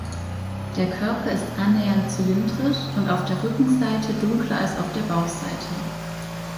Der Körper ist annähernd zylindrisch und auf der Rückenseite dunkler als auf der Bauchseite.